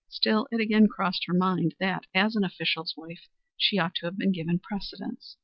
Still, it again crossed her mind that, as an official's wife, she ought to have been given precedence.